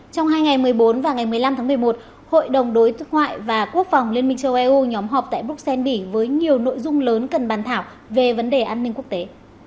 trong hai ngày một mươi bốn và ngày một mươi năm tháng một mươi một hội đồng đối ngoại và quốc phòng liên minh châu âu nhóm họp tại bruxelles bỉ với nhiều nội dung lớn cần bàn thảo về vấn đề an ninh quốc tế